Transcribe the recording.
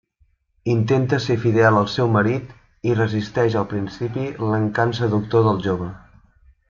Intenta ser fidel al seu marit, i resisteix al principi l'encant seductor del jove.